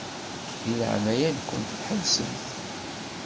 Di leɛnaya-nkent ḥebsemt.